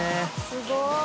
すごい。